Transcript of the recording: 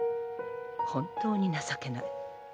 本当に情けない。